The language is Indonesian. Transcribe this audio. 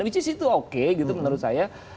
which is itu oke gitu menurut saya